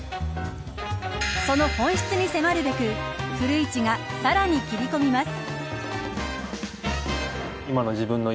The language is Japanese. その本質に迫るべく古市がさらに切り込みます。